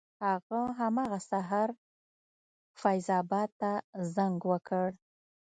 هغه همغه سهار فیض اباد ته زنګ وکړ.